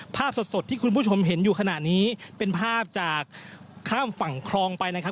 ภาพสดที่คุณผู้ชมเห็นอยู่ขณะนี้เป็นภาพจากข้ามฝั่งคลองไปนะครับ